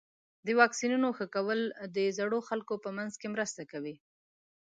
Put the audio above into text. د واکسینونو ښه کول د زړو خلکو په منځ کې مرسته کوي.